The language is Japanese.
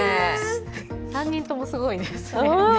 ３人ともすごいですね。